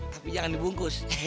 tapi jangan dibungkus